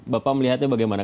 bapak melihatnya bagaimana